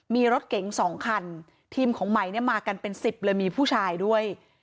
มีรถเก๋งสองคันทีมของไหมเนี่ยมากันเป็นสิบเลยมีผู้ชายด้วย